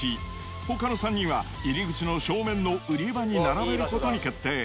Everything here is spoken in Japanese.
ほかの３人は、入り口の正面の売り場に並べることに決定。